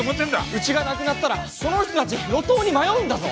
うちがなくなったらこの人たち路頭に迷うんだぞ！